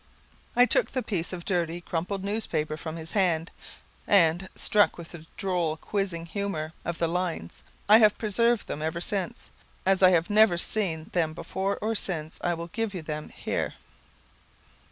I took the piece of dirty crumpled newspaper from his hand; and, struck with the droll quizzing humour of the lines, I have preserved them ever since. As I have never seen them before or since, I will give you them here.